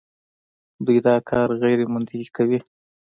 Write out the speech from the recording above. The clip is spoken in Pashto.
دوی دا کار غیرمنطقي کوي.